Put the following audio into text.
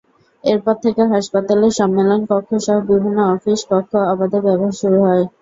এরপর থেকে হাসপাতালের সম্মেলন কক্ষসহ বিভিন্ন অফিস কক্ষ অবাধে ব্যবহার শুরু হয়।